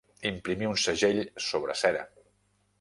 Imprimir un segell sobre cera.